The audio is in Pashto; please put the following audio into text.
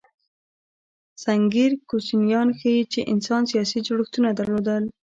سنګیر کوچنیان ښيي، چې انسان سیاسي جوړښتونه درلودل.